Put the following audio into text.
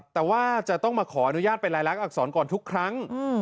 แต่ว่าจะต้องมาขออนุญาตเป็นรายลักษรก่อนทุกครั้ง